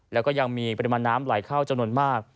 แล้วก็ยังมีปริมาณน้ำไหลเข้าจำนวนมาก